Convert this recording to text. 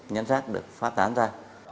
nhắn rác được phát tán ra